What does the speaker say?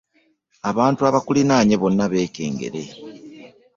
Abantu abakuliraanye bonna beekengere.